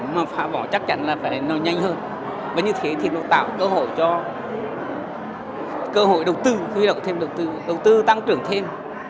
mà phá bỏ chắc chắn là phải nổi nhanh hơn vậy như thế thì nó tạo cơ hội cho cơ hội đầu tư quy động thêm đầu tư đầu tư tăng trưởng thêm